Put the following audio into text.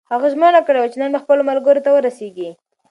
هغه ژمنه کړې وه چې نن به خپلو ملګرو ته ورسېږي.